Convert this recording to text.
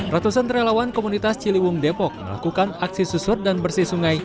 ratusan relawan komunitas ciliwung depok melakukan aksi susur dan bersih sungai